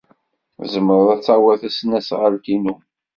Tzemred ad tawid tasnasɣalt-inu.